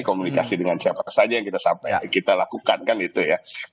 komunikasi dengan siapa saja yang kita lakukan kan itu ya